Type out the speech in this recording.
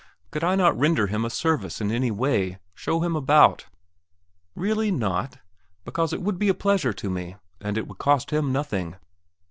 Could I not render him a service in any way? show him about? Really not? because it would be a pleasure to me, and it would cost him nothing....